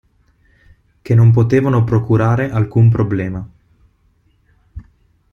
Che non potevano procurare alcun problema.